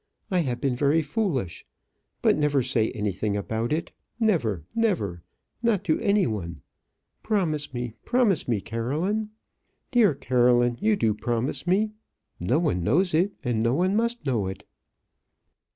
I have been very foolish, but never say anything about it; never, never, not to any one; promise me, promise me, Caroline. Dear Caroline, you do promise me? No one knows it; no one must know it."